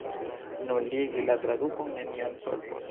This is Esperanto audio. Nuligi la tradukon nenion solvos.